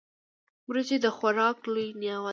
وريجي د خوراک لوی نعمت دی.